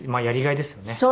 やりがいですよね。